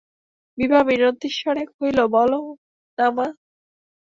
বিভা মিনতিস্বরে কহিল, বলো না মা।